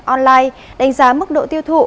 online đánh giá mức độ tiêu thụ